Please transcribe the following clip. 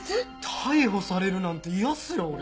逮捕されるなんて嫌っすよ俺！